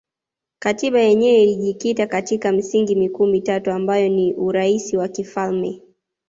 Katiba yenyewe ilijikita katika misingi mikuu mitatu ambayo ni Urais wa kifalme